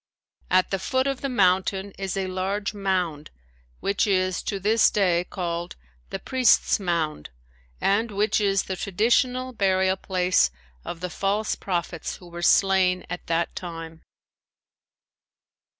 At the foot of the mountain is a large mound which is to this day called the "Priest's Mound" and which is the traditional burial place of the false prophets who were slain at that time.